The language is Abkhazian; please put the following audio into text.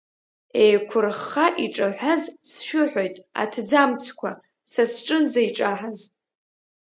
Еиқәырхха иҿаҳәаз, сшәыҳәоит, аҭӡамцқәа, са сҿынӡа иҿаҳаз.